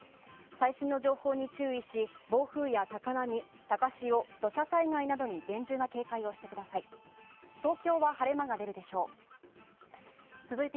最新の情報に注意し暴風や高波高潮、土砂災害などに厳重な警戒をしてください。